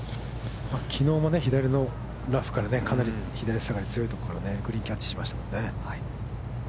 きのうも左のラフからかなり左足下がり強いところをグリーンキャッチしましたよね。